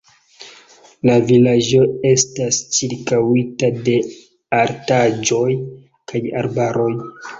La vilaĝo estas ĉirkaŭita de altaĵoj kaj arbaroj.